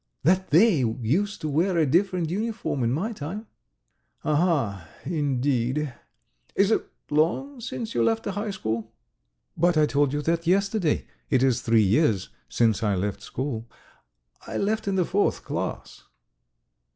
"That they used to wear a different uniform in my time." "Aha! ... indeed, ... Is it long since you left the high school?" "But I told you that yesterday. It is three years since I left school. ... I left in the fourth class."